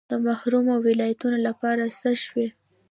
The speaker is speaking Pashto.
د محرومو ولایتونو لپاره څه شوي؟